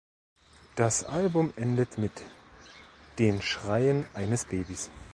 Das Album endet mit den Schreien eines Babys.